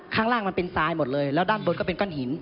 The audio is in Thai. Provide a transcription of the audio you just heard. ข้างล่างมันเป็นทรายหมดเลยแล้วด้านบนก็เป็นก้อนหิน